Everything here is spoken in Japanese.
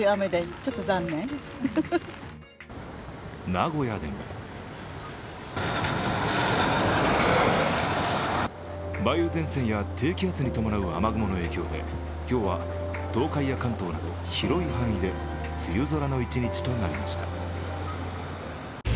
名古屋でも梅雨前線や低気圧に伴う雨雲の影響で今日は東海や関東など広い範囲で梅雨空の一日となりました。